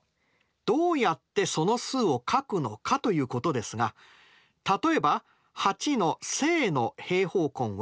どうやってその数を書くのかということですが例えば８の正の平方根はルート８と書きました。